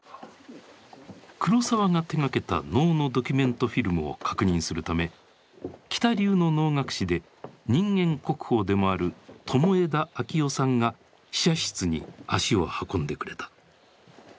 黒澤が手がけた能のドキュメントフィルムを確認するため喜多流の能楽師で人間国宝でもある友枝昭世さんが試写室に足を運んでくれた。